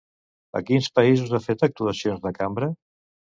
A quins països ha fet actuacions de cambra?